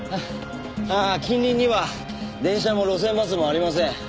近隣には電車も路線バスもありません。